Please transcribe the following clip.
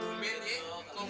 pak karam pak karam